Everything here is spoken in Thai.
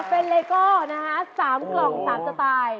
เป็นเลโก้นะคะ๓กล่อง๓สไตล์